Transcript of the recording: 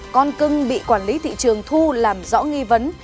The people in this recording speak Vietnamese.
con cưng bị quản lý thị trường thu làm rõ nghi vấn